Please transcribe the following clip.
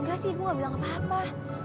gak sih bu gak bilang apa apa